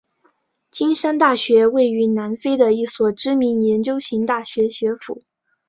金山大学位于南非的一所知名研究型大学学府。